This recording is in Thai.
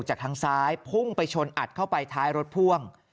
จากทางซ้ายพุ่งไปชนอัดเข้าไปท้ายรถพ่วง